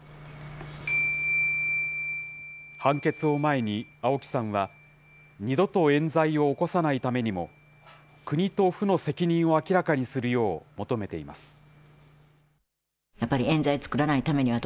判決を前に青木さんは、二度とえん罪を起こさないためにも、国と府の責任を明らかにするよう求めています。